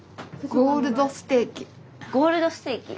ゴールドステーキ？